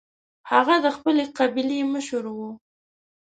هغه د خپلې قبیلې مشر و.